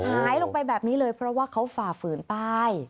หายลงไปแบบนี้เลยเพราะว่าเขาฝ่าฝืนป้าย